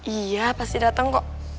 iya pasti dateng kok